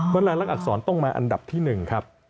เพราะรายลักษรต้องมาอันดับที่๑ครับ